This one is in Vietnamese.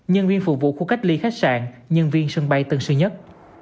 nhân viên phục vụ khu cách ly khách sạn nhân viên sân bay tân sư nhất